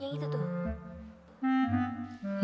yang itu tuh